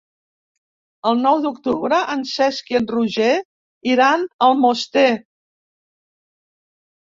El nou d'octubre en Cesc i en Roger iran a Almoster.